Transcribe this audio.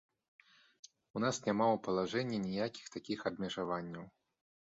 У нас няма ў палажэнні ніякіх такіх абмежаванняў.